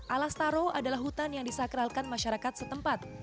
alas taro adalah hutan yang disakralkan masyarakat setempat